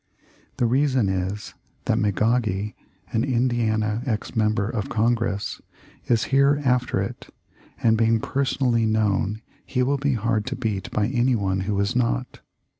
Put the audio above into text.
The reason is that McGaughey, an Indiana ex member of Congress, is here after it, and being personally known he will be hard to beat by any one who is not."